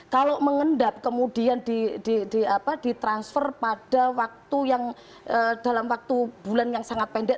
kalau mengendap kemudian ditransfer pada waktu yang dalam waktu bulan yang sangat pendek